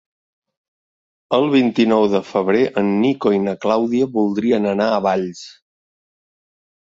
El vint-i-nou de febrer en Nico i na Clàudia voldrien anar a Valls.